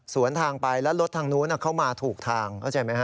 สวนทางไปแล้วรถทางนู้นเข้ามาถูกทางเข้าใจไหมฮ